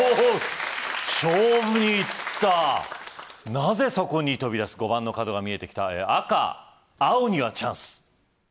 なぜそこに飛び出す５番の角が見えてきた赤・青にはチャンス